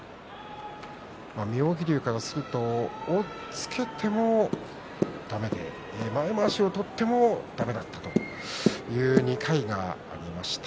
妙義龍からすると押っつけてもだめで前まわしを取ってもだめだったという２回がありました。